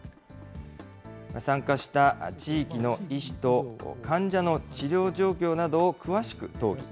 参加した地域の医師と患者の治療状況などを詳しく討議。